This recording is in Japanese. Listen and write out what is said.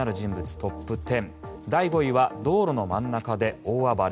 トップ１０第５位は道路の真ん中で大暴れ。